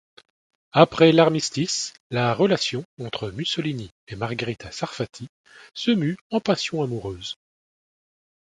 Après l’armistice, la relation entre Mussolini et Margherita Sarfatti se mue en passion amoureuse.